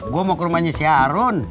gue mau ke rumahnya si harun